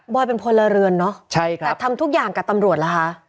บอยเป็นพลเรือนเนอะแต่ทำทุกอย่างกับตำรวจล่ะฮะ